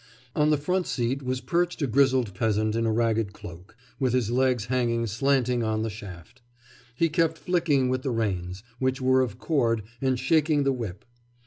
On the front seat was perched a grizzled peasant in a ragged cloak, with his legs hanging slanting on the shaft; he kept flicking with the reins, which were of cord, and shaking the whip.